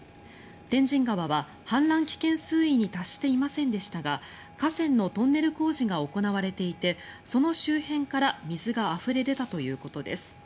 天神川は氾濫危険水位に達していませんでしたが河川のトンネル工事が行われていてその周辺から水があふれ出たということです。